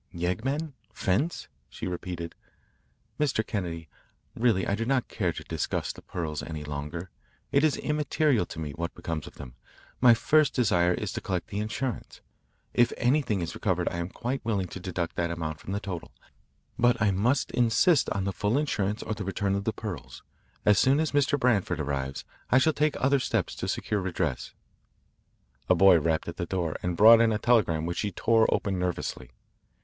'" "Yeggmen 'fence'?" she repeated. "Mr. Kennedy, really I do not care to discuss the pearls any longer. It is immaterial to me what becomes of them. My first desire is to collect the insurance. If anything is recovered I am quite willing to deduct that amount from the total. But I must insist on the full insurance or the return of the pearls. As soon as Mr. Branford arrives I shall take other steps to secure redress." A boy rapped at the door and brought in a telegram which she tore open nervously.